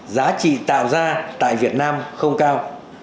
giá trị tạo ra tại việt nam không cao